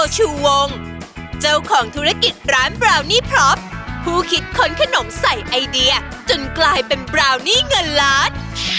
ชูวงเจ้าของธุรกิจร้านบราวนี่พรอปผู้คิดค้นขนมใส่ไอเดียจนกลายเป็นบราวนี่เงินล้าน